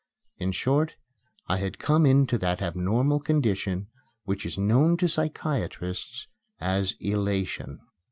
In short, I had come into that abnormal condition which is known to psychiatrists as elation.